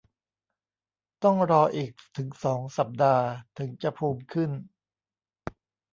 ต้องรออีกถึงสองสัปดาห์ ถึงจะภูมิขึ้น